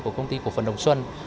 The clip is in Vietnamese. của công ty cổ phần đồng xuân